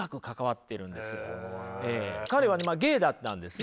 彼はゲイだったんですね。